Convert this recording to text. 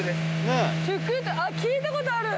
聞いたことある！